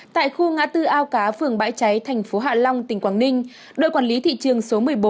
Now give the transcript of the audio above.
tại khu ngã tư ao cá phường bãi cháy thành phố hạ long tỉnh quảng ninh đội quản lý thị trường số một mươi bốn